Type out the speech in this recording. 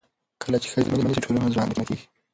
کله چې ښځې ځواکمنې شي، ټولنه ځواکمنه کېږي.